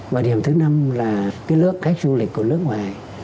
và điểm thứ năm là cái lượng khách du lịch của nước ngoài